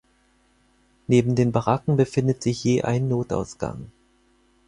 Neben den Baracken befindet sich je ein Notausgang.